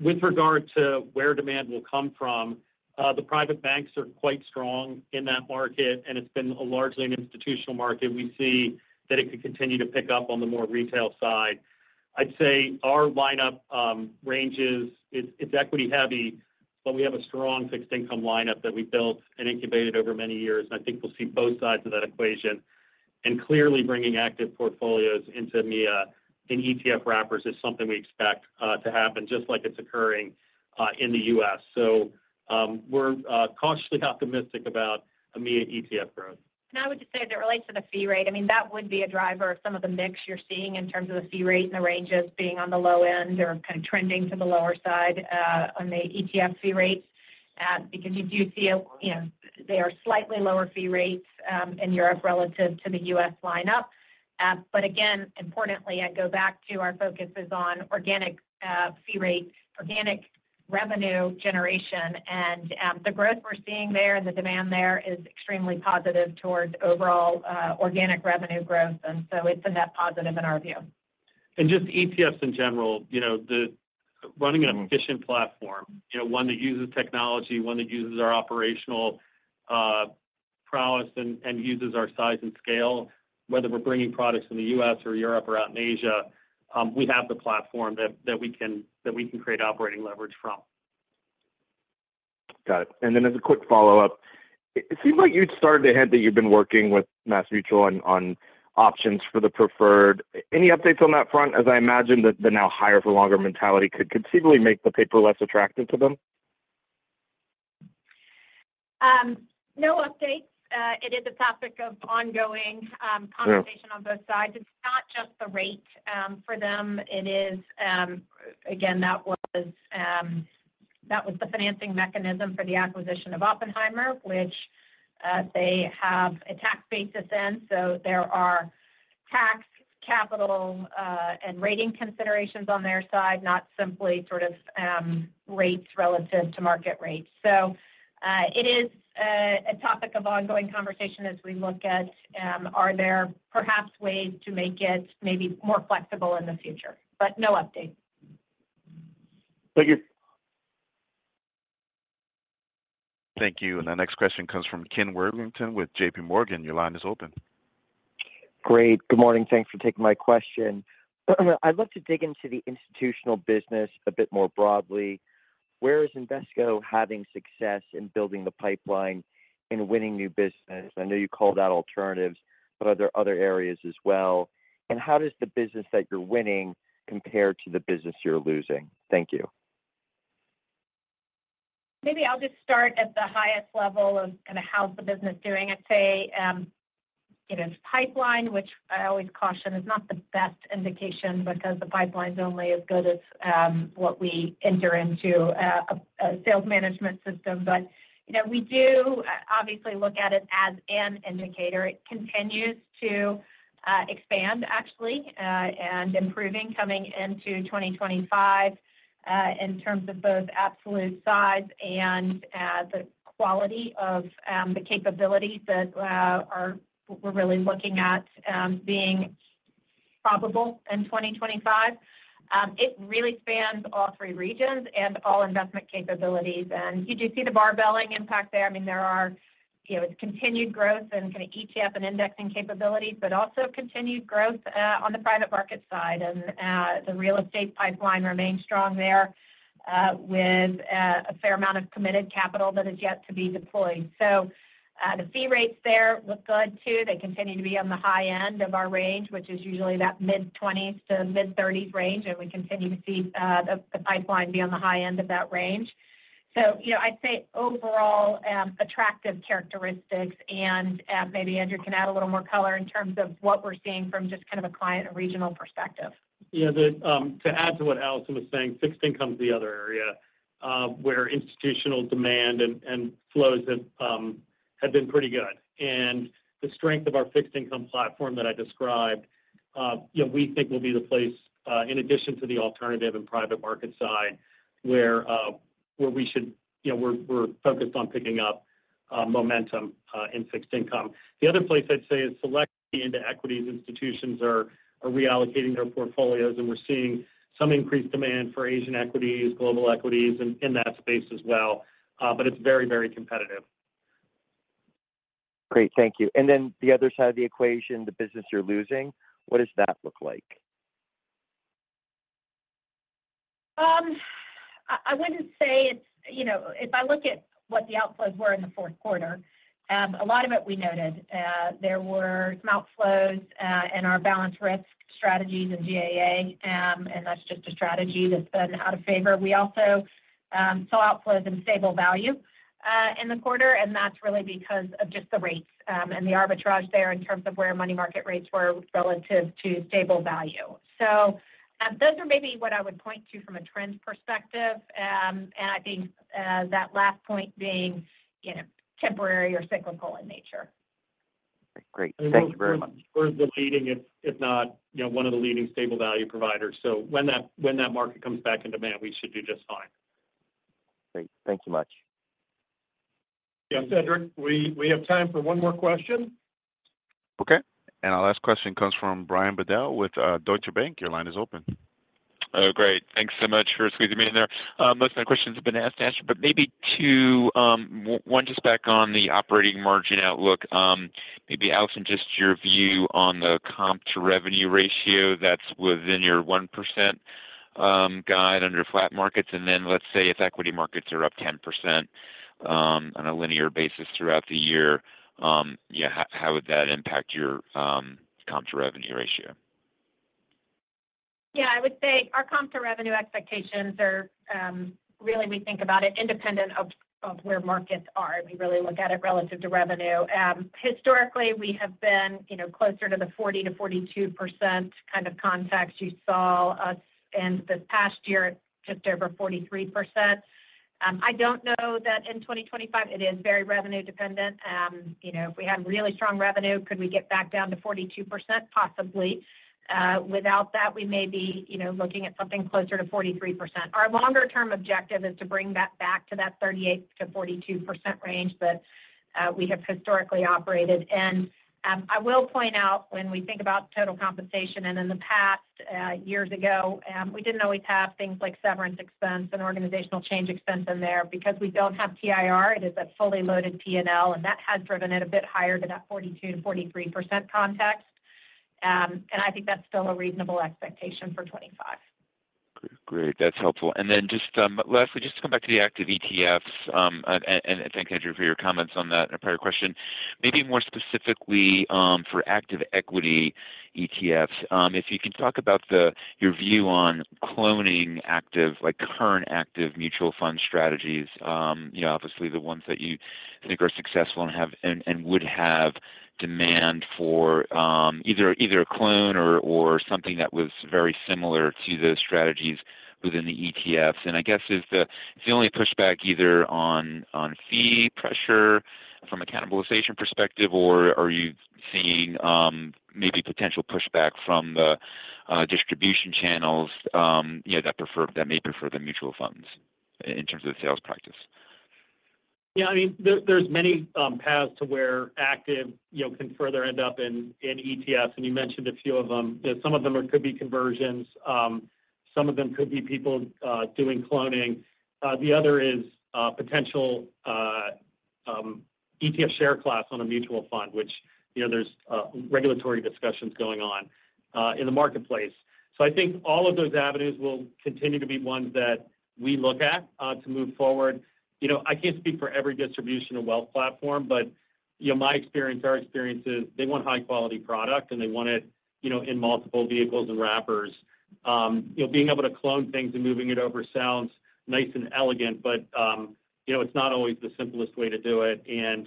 With regard to where demand will come from, the private banks are quite strong in that market, and it's been largely an institutional market. We see that it could continue to pick up on the more retail side. I'd say our lineup ranges, it's equity-heavy, but we have a strong fixed-income lineup that we've built and incubated over many years. And I think we'll see both sides of that equation. And clearly, bringing active portfolios into EMEA in ETF wrappers is something we expect to happen just like it's occurring in the US. So we're cautiously optimistic about EMEA ETF growth. And I would just say as it relates to the fee rate, I mean, that would be a driver of some of the mix you're seeing in terms of the fee rate and the ranges being on the low end or kind of trending to the lower side on the ETF fee rates because you do see they are slightly lower fee rates in Europe relative to the U.S. lineup. But again, importantly, I go back to our focus is on organic fee rate, organic revenue generation. And the growth we're seeing there and the demand there is extremely positive towards overall organic revenue growth. So it's a net positive in our view. Just ETFs in general, running an efficient platform, one that uses technology, one that uses our operational prowess and uses our size and scale, whether we're bringing products in the U.S. or Europe or out in Asia, we have the platform that we can create operating leverage from. Got it. Then as a quick follow-up, it seems like you'd started to hint that you've been working with MassMutual on options for the preferred. Any updates on that front? As I imagine that the now higher-for-longer mentality could conceivably make the paper less attractive to them. No updates. It is a topic of ongoing conversation on both sides. It's not just the rate for them. Again, that was the financing mechanism for the acquisition of Oppenheimer, which they have a tax basis in. So there are tax capital and rating considerations on their side, not simply sort of rates relative to market rates. So it is a topic of ongoing conversation as we look at, are there perhaps ways to make it maybe more flexible in the future? But no update. Thank you. Thank you. And the next question comes from Ken Worthington with JPMorgan. Your line is open. Great. Good morning. Thanks for taking my question. I'd love to dig into the institutional business a bit more broadly. Where is Invesco having success in building the pipeline and winning new business? I know you called out alternatives, but are there other areas as well? And how does the business that you're winning compare to the business you're losing? Thank you. Maybe I'll just start at the highest level of kind of how's the business doing. I'd say its pipeline, which I always caution, is not the best indication because the pipeline's only as good as what we enter into a sales management system. But we do obviously look at it as an indicator. It continues to expand, actually, and improving coming into 2025 in terms of both absolute size and the quality of the capabilities that we're really looking at being probable in 2025. It really spans all three regions and all investment capabilities. And you do see the barbelling impact there. I mean, there is continued growth in kind of ETF and indexing capabilities, but also continued growth on the private market side. And the real estate pipeline remains strong there with a fair amount of committed capital that has yet to be deployed. So the fee rates there look good too. They continue to be on the high end of our range, which is usually that mid-20s to mid-30s range. And we continue to see the pipeline be on the high end of that range. So I'd say overall attractive characteristics. And maybe Andrew can add a little more color in terms of what we're seeing from just kind of a client and regional perspective. Yeah. To add to what Allison was saying, fixed income's the other area where institutional demand and flows have been pretty good. And the strength of our fixed-income platform that I described, we think will be the place in addition to the alternative and private market side where we're focused on picking up momentum in fixed income. The other place I'd say is selecting into equities. Institutions are reallocating their portfolios. And we're seeing some increased demand for Asian equities, global equities in that space as well. But it's very, very competitive. Great. Thank you. And then the other side of the equation, the business you're losing, what does that look like? I wouldn't say it's if I look at what the outflows were in the fourth quarter, a lot of it we noted. There were some outflows in our balanced risk strategies in GAA. And that's just a strategy that's been out of favor. We also saw outflows in Stable Value in the quarter. And that's really because of just the rates and the arbitrage there in terms of where money market rates were relative to Stable Value. So those are maybe what I would point to from a trend perspective. And I think that last point being temporary or cyclical in nature. Great. Thank you very much. We're the leading, if not one of the leading Stable Value providers. So when that market comes back in demand, we should do just fine. Great. Thank you much. Yeah. Cedric, we have time for one more question. Okay. And our last question comes from Brian Bedell with Deutsche Bank. Your line is open. Oh, great. Thanks so much for squeezing me in there. Most of my questions have been asked and answered, but maybe two. One just back on the operating margin outlook. Maybe Allison, just your view on the comp-to-revenue ratio that's within your 1% guide under flat markets. And then let's say if equity markets are up 10% on a linear basis throughout the year, how would that impact your comp-to-revenue ratio? Yeah. I would say our comp-to-revenue expectations are really, we think about it independent of where markets are. We really look at it relative to revenue. Historically, we have been closer to the 40%-42% kind of context. You saw us end this past year at just over 43%. I don't know that in 2025. It is very revenue-dependent. If we had really strong revenue, could we get back down to 42%? Possibly. Without that, we may be looking at something closer to 43%. Our longer-term objective is to bring that back to that 38%-42% range that we have historically operated. And I will point out when we think about total compensation, and in the past, years ago, we didn't always have things like severance expense and organizational change expense in there because we don't have TIR. It is a fully loaded P&L. And that has driven it a bit higher to that 42%-43% context. And I think that's still a reasonable expectation for 2025. Great. That's helpful. And then just lastly, just to come back to the active ETFs, and thanks, Andrew, for your comments on that prior question. Maybe more specifically for active equity ETFs, if you can talk about your view on cloning current active mutual fund strategies, obviously the ones that you think are successful and would have demand for either a clone or something that was very similar to those strategies within the ETFs. And I guess is the only pushback either on fee pressure from a cannibalization perspective, or are you seeing maybe potential pushback from the distribution channels that may prefer the mutual funds in terms of the sales practice? Yeah. I mean, there's many paths to where active can further end up in ETFs. And you mentioned a few of them. Some of them could be conversions. Some of them could be people doing cloning. The other is potential ETF share class on a mutual fund, which there's regulatory discussions going on in the marketplace. So I think all of those avenues will continue to be ones that we look at to move forward. I can't speak for every distribution or wealth platform, but my experience, our experience is they want high-quality product, and they want it in multiple vehicles and wrappers. Being able to clone things and moving it over sounds nice and elegant, but it's not always the simplest way to do it. And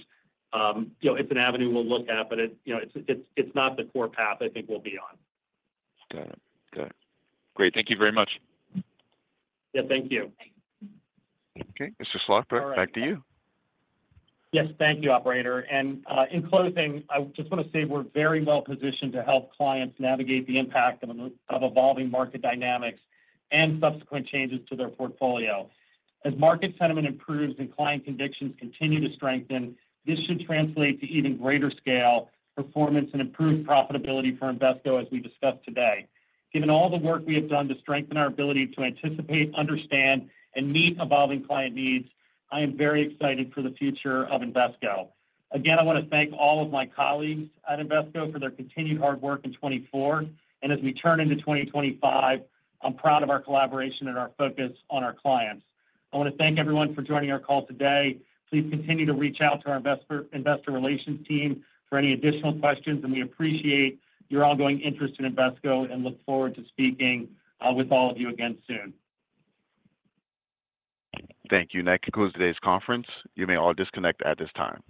it's an avenue we'll look at, but it's not the core path I think we'll be on. Got it. Got it. Great. Thank you very much. Yeah. Thank you. Okay. Mr. Schlossberg, back to you. Yes. Thank you, Operator. And in closing, I just want to say we're very well positioned to help clients navigate the impact of evolving market dynamics and subsequent changes to their portfolio. As market sentiment improves and client convictions continue to strengthen, this should translate to even greater scale, performance, and improved profitability for Invesco as we discussed today. Given all the work we have done to strengthen our ability to anticipate, understand, and meet evolving client needs, I am very excited for the future of Invesco. Again, I want to thank all of my colleagues at Invesco for their continued hard work in 2024. And as we turn into 2025, I'm proud of our collaboration and our focus on our clients. I want to thank everyone for joining our call today. Please continue to reach out to our investor relations team for any additional questions. And we appreciate your ongoing interest in Invesco and look forward to speaking with all of you again soon. Thank you. And that concludes today's conference. You may all disconnect at this time.